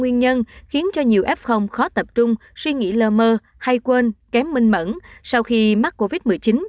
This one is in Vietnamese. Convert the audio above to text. nguyên nhân khiến cho nhiều f khó tập trung suy nghĩ lơ mơ hay quên kém minh mẫn sau khi mắc covid một mươi chín